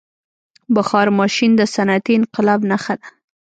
• بخار ماشین د صنعتي انقلاب نښه ده.